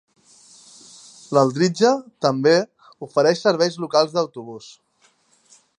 L'Aldridge també ofereix serveis locals d'autobús.